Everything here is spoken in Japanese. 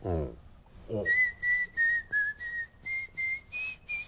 おっ。